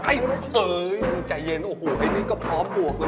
เฮ้ยใจเย็นโอ้โฮไอ้นี่ก็พอบวกเลย